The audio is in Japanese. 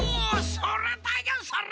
それだよそれ！